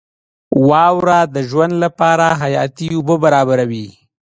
• واوره د ژوند لپاره حیاتي اوبه برابروي.